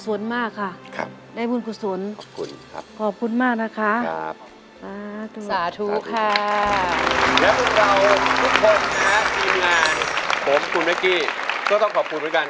ขอบคุณครับสาธุครับพระอาทิตย์ขอบคุณครับสาธุครับพระอาทิตย์ขอบคุณครับ